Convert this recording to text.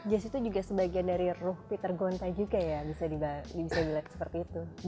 jazz itu juga sebagian dari ruh peter gonta juga ya bisa dilihat seperti itu